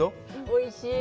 おいしい。